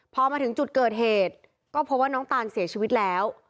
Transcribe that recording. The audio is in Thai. พอมาถึงจุดเกิดเหตุก็พบว่าน้องตานเสียชีวิตแล้ว